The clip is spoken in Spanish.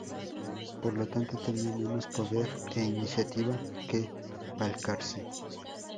Por lo tanto, tenía menos poder e iniciativa que Balcarce.